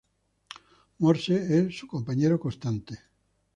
Morse es su compañero constante.